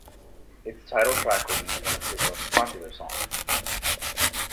Its title track remains one of his most popular songs.